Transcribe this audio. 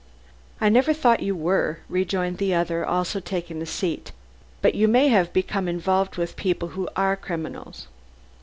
"I never thought you were," rejoined the other, also taking a seat, "but you may have become involved with people who are criminals."